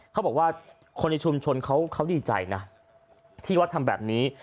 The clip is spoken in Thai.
เขาบอกว่าคนในชุมชนเขาดีใจนะที่วัดทำแบบนี้